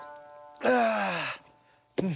ああ。